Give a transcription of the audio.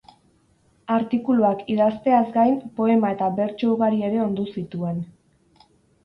Artikuluak idazteaz gain, poema eta bertso ugari ere ondu zituen.